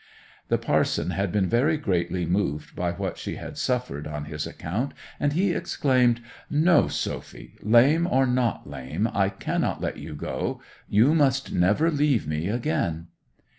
The parson had been very greatly moved by what she had suffered on his account, and he exclaimed, 'No, Sophy; lame or not lame, I cannot let you go. You must never leave me again!